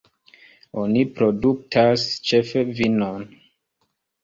Oni produktas ĉefe vinon.